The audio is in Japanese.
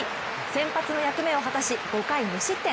先発の役目を果たし、５回無失点。